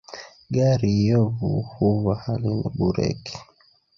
Gari iyovu huva halina bureki